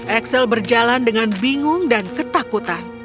axel berjalan dengan bingung dan ketakutan